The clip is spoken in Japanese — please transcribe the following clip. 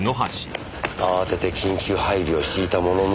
慌てて緊急配備を敷いたものの。